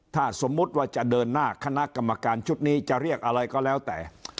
ถ้าสมมุติว่าจะเดินหน้าคณะกรรมการชุดนี้จะเรียกอะไรก็แล้วแต่